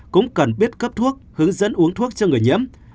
cũng cần biết cấp thuốc hướng dẫn uống thuốc cho người nhiễm